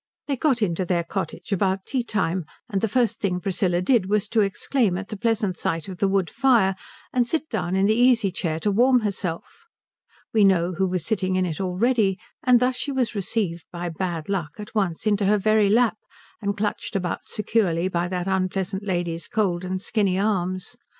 They got into their cottage about tea time; and the first thing Priscilla did was to exclaim at the pleasant sight of the wood fire and sit down in the easy chair to warm herself. We know who was sitting in it already; and thus she was received by Bad Luck at once into her very lap, and clutched about securely by that unpleasant lady's cold and skinny arms.